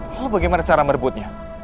lalu bagaimana cara merebutnya